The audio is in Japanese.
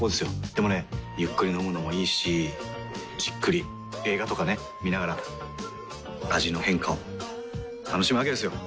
でもねゆっくり飲むのもいいしじっくり映画とかね観ながら味の変化を楽しむわけですよ。